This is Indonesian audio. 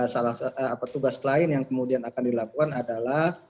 salah satu tugas lain yang kemudian akan dilakukan adalah